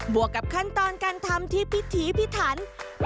วกกับขั้นตอนการทำที่พิถีพิถัน